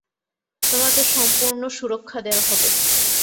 তোমাকে সম্পূর্ণ সুরক্ষা দেয়া হবে।